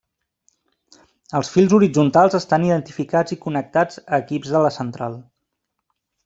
Els fils horitzontals estan identificats i connectats a equips de la central.